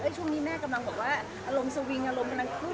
ช่วงนี้แม่กำลังบอกว่าอารมณ์สวิงอารมณ์กำลังขึ้น